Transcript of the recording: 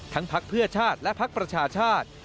พักเพื่อชาติและพักประชาชาติ